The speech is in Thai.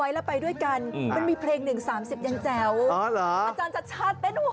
อาจารย์จัดชัดครับ